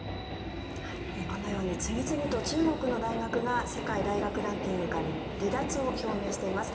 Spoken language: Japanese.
このように次々と中国の大学が世界大学ランキングから離脱を表明しています。